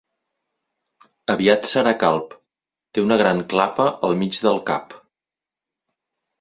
Aviat serà calb: té una gran clapa al mig del cap.